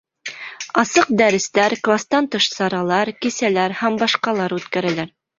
Асыҡ дәрестәр, кластан тыш саралар, кисәләр һ. б. үткәрәләр.